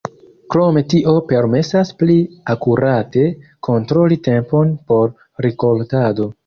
Krome tio permesas pli akurate kontroli tempon por rikoltado.